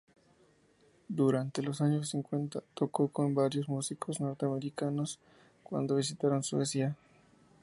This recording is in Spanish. Durante los años cincuenta tocó con varios músicos norteamericanos cuando visitaron Suecia.